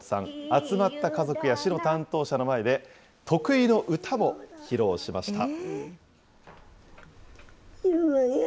集まった家族や市の担当者の前で、得意の歌も披露しました。